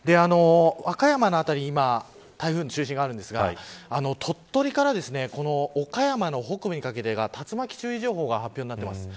和歌山の辺りに今台風の中心があるんですが鳥取から岡山の北部にかけてが竜巻注意情報が発表になっています。